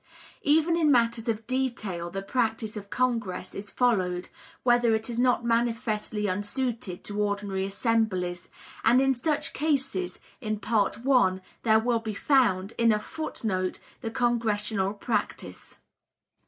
Even in matters of detail the practice of Congress is followed, wherever it is not manifestly unsuited to ordinary assemblies, and in such cases, in Part I, there will be found, in a foot note, the Congressional practice.